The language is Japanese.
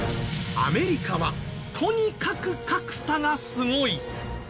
アメリカはとにかく格差がすごい。